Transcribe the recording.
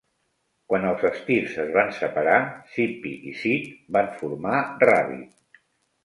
Quan els Stiffs es van separar, Zippy i Sid van formar Rabid.